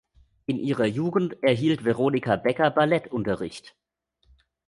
In ihrer Jugend erhielt Veronika Baecker Ballettunterricht.